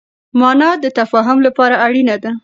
مانا د تفاهم لپاره اړينه ده.